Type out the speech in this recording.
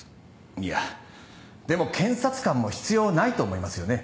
いやでも検察官も必要ないと思いますよね？